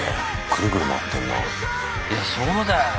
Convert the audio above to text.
いやそうだよな